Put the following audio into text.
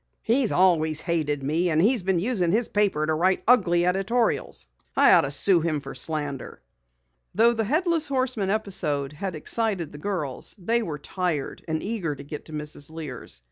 He always hated me and he's been using his paper to write ugly editorials. I ought to sue him for slander." Though the Headless Horseman episode had excited the girls, they were tired and eager to get to Mrs. Lear's.